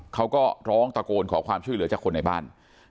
เขาก็ร้องตะโกนขอความช่วยเหลือจากคนในบ้าน